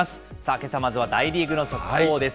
けさまずは、大リーグの速報です。